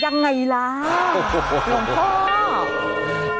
ยังไงล่ะหลวงพ่อ